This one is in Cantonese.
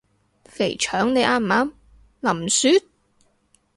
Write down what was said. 肥腸你啱唔啱？林雪？